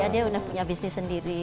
dia udah punya bisnis sendiri